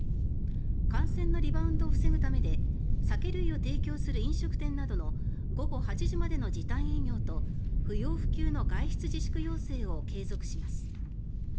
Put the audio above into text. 感染のリバウンドを防ぐためで酒類を提供する飲食店などの午後８時までの時短営業と不要不急の外出自粛要請を継続します。